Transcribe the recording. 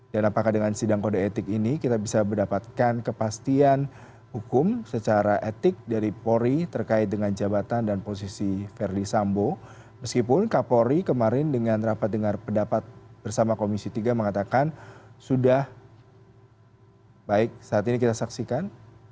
dan apakah dengan hukuman mati hukuman penjara paling lama dua puluh tahun